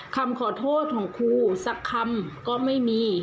คำขอโทษของครูสักคำก็ไม่มี